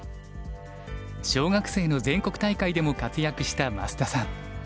小学生の全国大会でも活躍した増田さん。